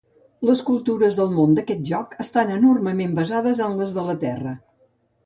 Les cultures del món d'aquest joc estan enormement basades en les de la terra.